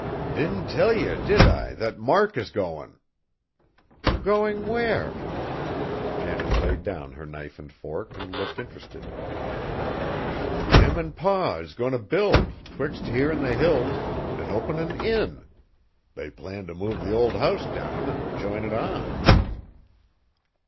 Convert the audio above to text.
"Didn't tell ye, did I, that Mark is goin'?" "Going where?" Janet laid down her knife and fork, and looked interested. "Him an' Pa is goin' t' build, 'twixt here an' the Hills, an' open a inn. They plan t' move the old house down, an' jine it on."